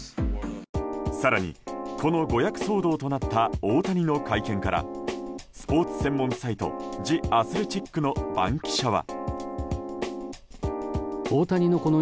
更に、この誤訳騒動となった大谷の会見からスポーツ専門サイトジ・アスレチックの番記者は。